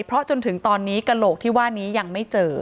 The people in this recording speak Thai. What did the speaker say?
เพราะจนถึงตอนนี้กระโหลกที่ว่านี้ยังไม่เจอ